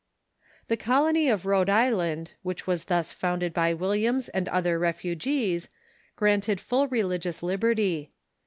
The colony of Rhode Island, which was thus founded by Williams and other refugees, granted full religious liberty.